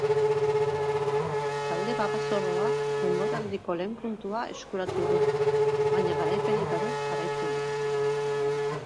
Talde babazorroak denboraldiko lehen puntua eskuratu du, baina garaipenik gabe jarraitzen du.